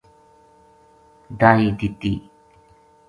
ڈاکٹڑ نے بھی اس نا ترواں دِناں کی دائی دِتی